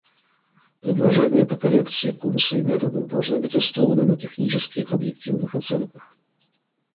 Предложения по коррекции курса и методов должны быть основаны на технических и объективных оценках.